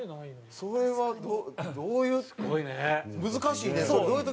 それどういう時。